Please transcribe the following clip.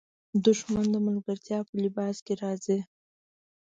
دښمن د ملګرتیا په لباس کې راځي